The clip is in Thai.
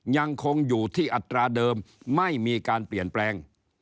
ยังคงอยู่ที่อัตราเดิมไม่มีการเปลี่ยนแปลง